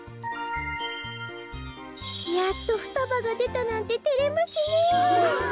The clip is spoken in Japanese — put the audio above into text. やっとふたばがでたなんててれますねえ。